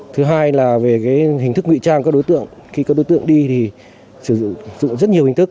thứ hai là về hình thức nguy trang các đối tượng khi các đối tượng đi thì sử dụng rất nhiều hình thức